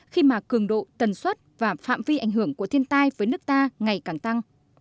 khi mà cường độ tần suất và phạm vi ảnh hưởng của thiên tai với nước ta ngày càng tăng